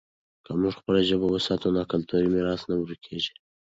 که موږ خپله ژبه وساتو، نو کلتوري میراث نه ورکېږي.